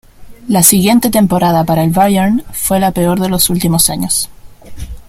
La siguiente temporada para el Bayern fue la peor de los últimos años.